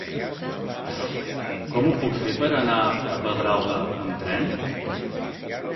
Com ho puc fer per anar a Pedralba amb tren?